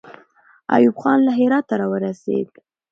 ایوب خان له هراته راورسېد.